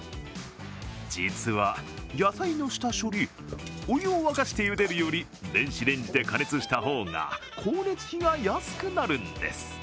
実は、野菜の下処理、お湯を沸かしてゆでるより電子レンジで加熱した方が光熱費が安くなるんです。